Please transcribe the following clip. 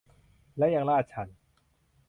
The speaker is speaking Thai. และยังลาดชัน